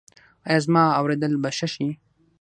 ایا زما اوریدل به ښه شي؟